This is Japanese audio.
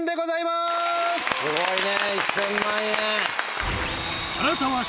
すごいね１０００万円。